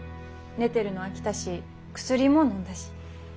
寝てるの飽きたし薬ものんだし。